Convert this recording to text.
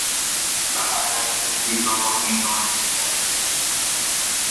Mahallalarda yangi lavozim joriy etiladi